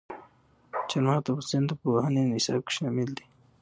چار مغز د افغانستان د پوهنې نصاب کې شامل دي.